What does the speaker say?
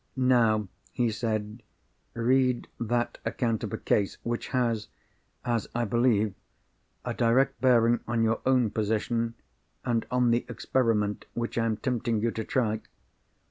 "Now," he said, "read that account of a case, which has—as I believe—a direct bearing on your own position, and on the experiment which I am tempting you to try.